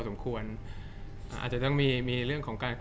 จากความไม่เข้าจันทร์ของผู้ใหญ่ของพ่อกับแม่